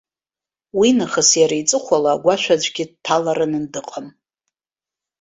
Уинахыс иара иҵыхәала агәашә аӡәгьы дҭаларан дыҟам!